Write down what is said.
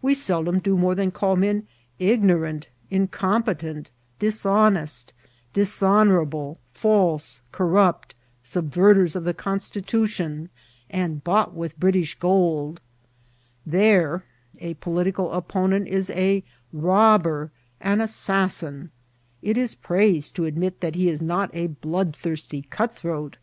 We seldom do more than call men ignorant, incompetent, dishonest, dishon ourable, false, corrupt, subverters of the Constitntioni and bought with British gold ; there a political oppo* nent is a robber, an assassin ; it is praise to admit that he is not a bloodthirsty cutthroat.